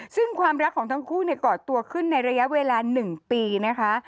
ซึ่งความรักของทั้งคู่ก่อตัวขึ้นในระยะเวลา๑ปีนะคะ